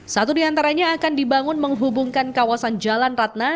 satu di antaranya akan dibangun menghubungkan kawasan jalan ratna